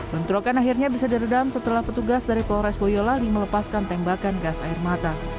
bentrokan akhirnya bisa diredam setelah petugas dari polres boyolali melepaskan tembakan gas air mata